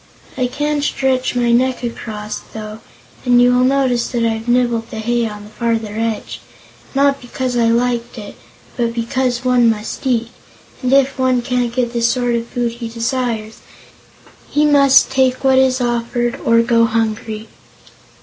I can stretch my neck across, though, and you will notice that I've nibbled the hay on the farther edge not because I liked it, but because one must eat, and if one can't get the sort of food he desires, he must take what is offered or go hungry."